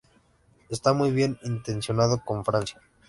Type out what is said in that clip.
Está muy bien intencionado con Francia".